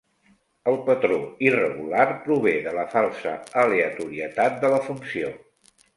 El patró irregular prové de la falsa aleatorietat de la funció.